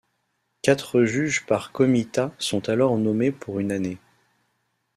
Quatre juges par comitat sont alors nommés pour une année.